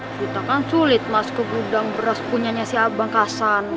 kita kan sulit mas ke gudang beras punyanya si abang kasan